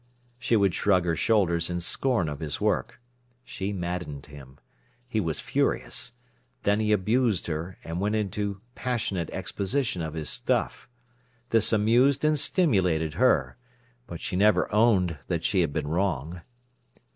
She would shrug her shoulders in scorn of his work. She maddened him. He was furious. Then he abused her, and went into passionate exposition of his stuff. This amused and stimulated her. But she never owned that she had been wrong.